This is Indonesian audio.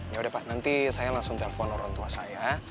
ya udah pak nanti saya langsung telepon orang tua saya